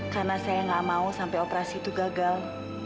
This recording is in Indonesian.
karena saya nggak mau sampai operasi itu gagal